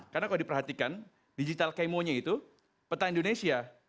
karena kalau diperhatikan digital camo nya itu peta indonesia